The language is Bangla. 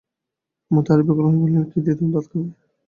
মতি আরো ব্যাকুল হইয়া বলিল, কী দিয়ে তুমি ভাত খাবে?